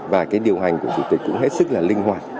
và cái điều hành của chủ tịch cũng hết sức là linh hoạt